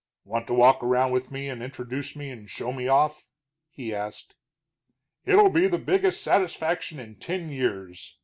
"Want to walk around with me and introduce me and show me off?" he asked. "It'll be the biggest satisfaction in ten years!"